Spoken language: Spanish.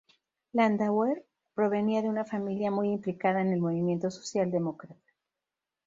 Landauer provenía de una familia muy implicada en el movimiento socialdemócrata.